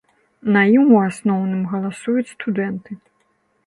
На ім у асноўным галасуюць студэнты.